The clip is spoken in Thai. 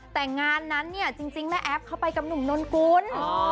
แต่งานนั้นเนี่ยจริงแม่แอฟเขาไปกับหนุ่มนนกุล